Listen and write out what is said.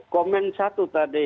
koment satu tadi